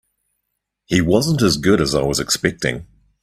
He wasn't as good as I was expecting.